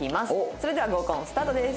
それでは合コンスタートです。